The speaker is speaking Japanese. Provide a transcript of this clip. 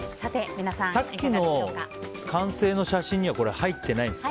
さっきの完成の写真にはこれ入ってないんですか。